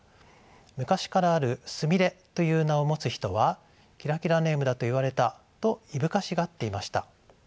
昔からある「菫」という名を持つ人はキラキラネームだと言われたといぶかしがっていました。